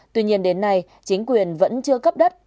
tuy nhiên đến nay chính quyền vẫn chưa cấp đất